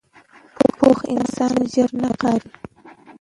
پوخ انسان ژر نه قهرېږي